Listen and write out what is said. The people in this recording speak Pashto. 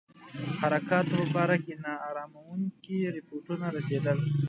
حرکاتو په باره کې نا اراموونکي رپوټونه رسېدل.